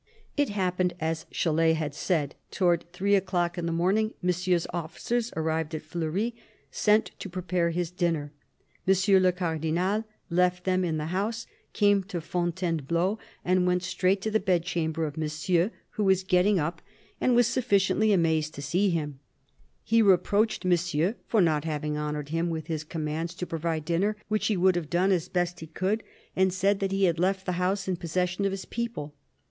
It happened as Chalais had said : towards three o'clock in the morning Monsieur's officers arrived at Fleury, sent to prepare his dinner. M. le Cardinal left them in the house, came to Fontainebleau, and went straight to the bed chamber of Monsieur, who was getting up, and was 1 68 CARDINAL DE RICHELIEU sufificiently amazed to see him. He reproached Monsieur for not having honoured him with his commands to provide dinner, which he would have done as best he could, and said that he had left the house in possession of his people.